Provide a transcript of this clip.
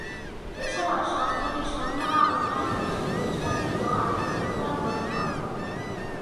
এছাড়াও সংস্থাটি সমমনা অন্যান্য কিছু প্রতিষ্ঠান থেকেও আর্থিক অনুদান গ্রহণ করে।